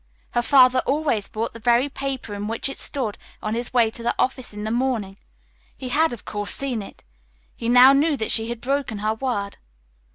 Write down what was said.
Her father always bought the very paper in which it stood on his way to the office in the morning. He had, of course, seen it. He now knew that she had broken her word.